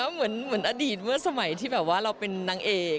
เหมือนอดีตเมื่อสมัยที่แบบว่าเราเป็นนางเอก